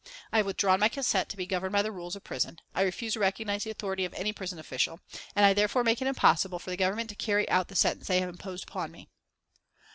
I have withdrawn my consent to be governed by the rules of prison; I refuse to recognise the authority of any prison official, and I therefore make it impossible for the Government to carry out the sentence they have imposed upon me."